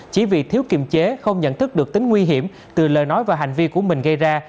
chỉ vì thiếu kiềm chế không nhận thức được tính nguy hiểm từ lời nói và hành vi của mình gây ra